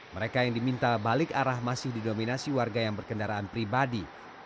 mereka yang diminta balik arah masih didominasi warga yang berkendaraan pribadi